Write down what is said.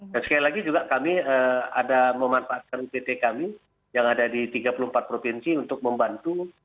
dan sekali lagi juga kami ada memanfaatkan ipt kami yang ada di tiga puluh empat provinsi untuk membantu